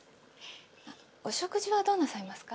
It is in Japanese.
お食事はどうなさいますか？